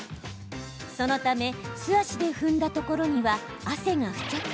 そのため素足で踏んだところには汗が付着。